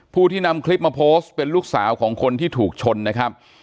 ผู้ที่นำคลิปมาโพสต์เป็นลูกสาวของคนที่ถูกชนนะครับ